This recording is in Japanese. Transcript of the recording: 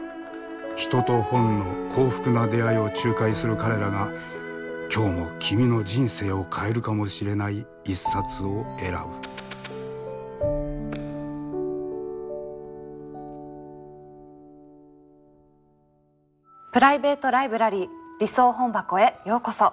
人と本の幸福な出会いを仲介する彼らが今日も君の人生を変えるかもしれない一冊を選ぶプライベート・ライブラリー理想本箱へようこそ。